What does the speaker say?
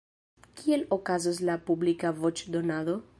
Kiel okazos la publika voĉdonado?